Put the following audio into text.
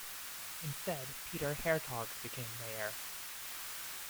Instead Peter Hertogs became mayor.